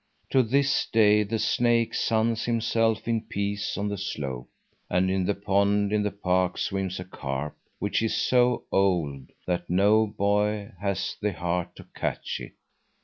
To this day the snake suns himself in peace on the slope, and in the pond in the park swims a carp which is so old that no boy has the heart to catch it.